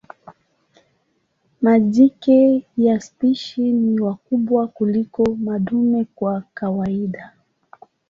Majike ya spishi ni wakubwa kuliko madume kwa kawaida.